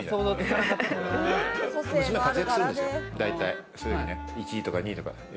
娘は活躍するんですよ、大体１位とか２位とか。